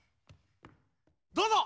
どうぞ！